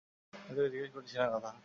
আমি তোকে জিজ্ঞেস করছি না, গাধা।